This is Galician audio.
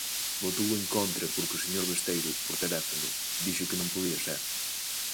Votou en contra porque o señor Besteiro, por teléfono, dixo que non podía ser.